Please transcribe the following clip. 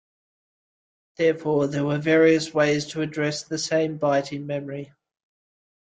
Therefore, there were various ways to address the same byte in memory.